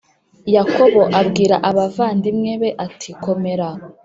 Yakobo abwira abavandimwe be ati komera